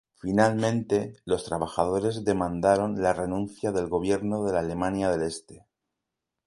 Finalmente, los trabajadores demandaron la renuncia del gobierno de la Alemania del Este.